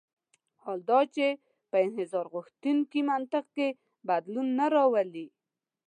حال دا چې په انحصارغوښتونکي منطق کې بدلون نه راولي.